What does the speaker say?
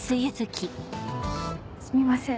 すみません